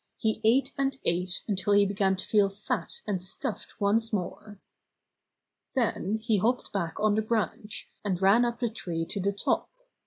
He ate and ate until he began to feel fat and stuffed once more. Then he hopped back on the branch, and ran up the tree to the top.